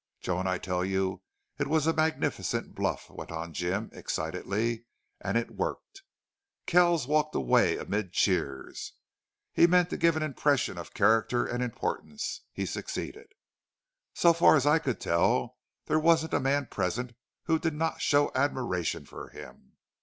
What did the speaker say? "Joan, I tell you it was a magnificent bluff," went on Jim, excitedly. "And it worked. Kells walked away amid cheers. He meant to give an impression of character and importance. He succeeded. So far as I could tell, there wasn't a man present who did not show admiration for him.